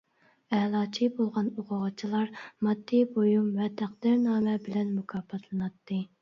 ئەلاچى بولغان ئوقۇغۇچىلار ماددىي بۇيۇم ۋە تەقدىرنامە بىلەن مۇكاپاتلىناتتى.